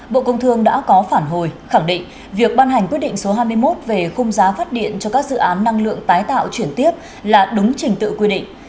bộ công thương đã có phản hồi khẳng định việc ban hành quyết định số hai mươi một về khung giá phát điện cho các dự án năng lượng tái tạo chuyển tiếp là đúng trình tự quy định